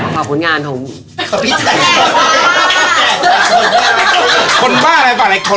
ฝากผลงานพี่แจ๊บฝากผลงานฝากผลงานทุกคน